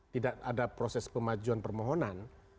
tidak ada proses pemajuan permohonan